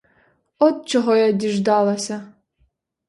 От чого я діждалася!